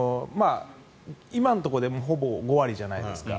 今のところでほぼ５割じゃないですか。